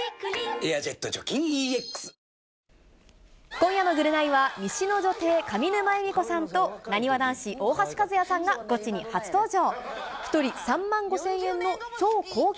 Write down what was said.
今夜のぐるナイは、西の女帝、上沼恵美子さんとなにわ男子・大橋和也さんがゴチに初登場。